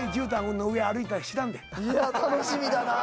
いや楽しみだなぁ。